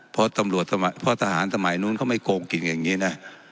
เพราะทหารสมัยนู้นก็ไม่โกงกินอย่างนี้นะ